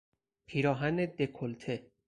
پیراهن دکولته